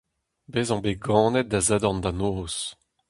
Bezañ bet ganet da Sadorn da noz.